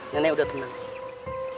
nenek sudah tenang